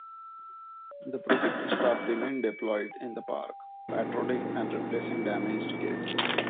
The project staff remained deployed in the park, patrolling, and replacing damaged gates.